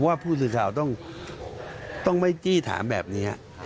ว่าผู้สื่อข่าวต้องไม่จี้ถามแบบนี้